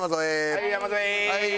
はい！